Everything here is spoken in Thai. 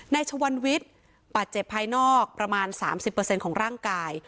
ชวันวิทย์บาดเจ็บภายนอกประมาณ๓๐ของร่างกาย